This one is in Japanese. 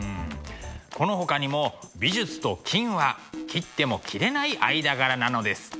このほかにも美術と金は切っても切れない間柄なのです。